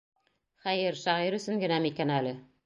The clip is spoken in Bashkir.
Хәйер, шағир өсөн генәме икән әле?